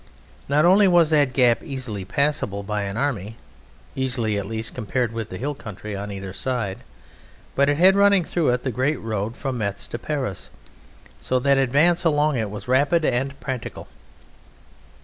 Not only was that gap easily passable by an army easily, at least, compared with the hill country on either side but it had running through it the great road from Metz to Paris, so that advance along it was rapid and practicable.